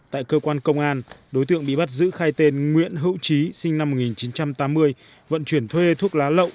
tại cơ quan công an đối tượng bị bắt giữ khai tên nguyễn hữu trí sinh năm một nghìn chín trăm tám mươi vận chuyển thuê thuốc lá lậu